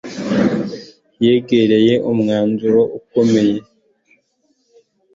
Yegereye umwanzuro ukomeye